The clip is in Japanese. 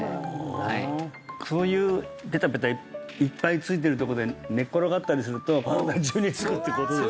そういうペタペタいっぱいついてるとこで寝っ転がったりすると身体中につくってことですか？